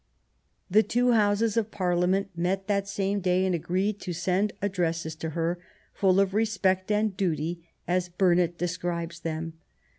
'* The two Houses of Parliament met that same day and agreed to send addresses to her, " full of respect and duty," as Burnet describes them.